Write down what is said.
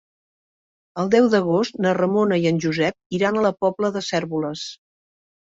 El deu d'agost na Ramona i en Josep iran a la Pobla de Cérvoles.